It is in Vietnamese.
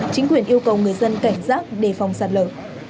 chính quyền yêu cầu người dân cảnh giác đề phòng sạt lở